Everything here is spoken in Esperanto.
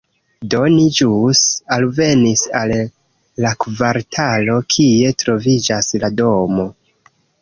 Do ni ĵus alvenis al la kvartalo, kie troviĝas la domo